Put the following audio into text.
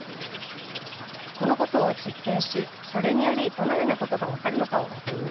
このことを実験しそれによりどのようなことが分かるのかをやってみましょう。